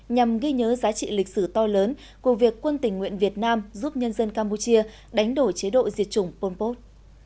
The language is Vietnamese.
nhằm ghi nhớ giá trị lịch sử to lớn của việc quân tình nguyện việt nam giúp nhân dân campuchia đánh đổi chế độ diệt chủng pol pot